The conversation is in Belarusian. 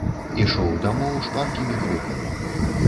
Ішоў дамоў шпаркімі крокамі.